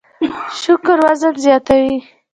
شکر وزن زیاتوي